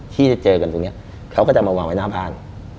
ที่จะเจอกันตรงนี้เขาก็จะมาวางไว้หน้าบ้าน